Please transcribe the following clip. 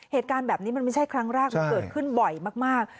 เหตุการณ์แบบนี้มันไม่ใช่ครั้งแรกมันเกิดขึ้นบ่อยมาก